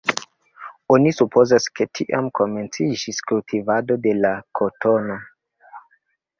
Oni supozas, ke tiam komenciĝis kultivado de la kotono.